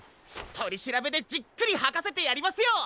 とりしらべでじっくりはかせてやりますよ！